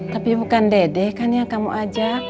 tapi bukan dede kan ya kamu ajak